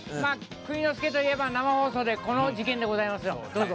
栗之助といえば、生放送でこの事件でございますよ、どうぞ。